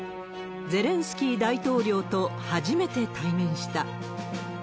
ゼレンスキー大統領と初めて対面した。